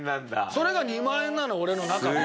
それが２万円なの俺の中では。